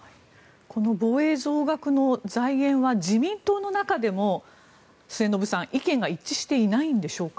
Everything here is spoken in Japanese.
この防衛増額の財源は自民党の中でも末延さん、意見が一致していないんでしょうか。